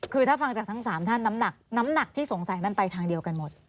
คือถ้าฟังจากทั้ง๓ท่านน้ำหนักที่สงสัยมันไปทางเดียวกันหมด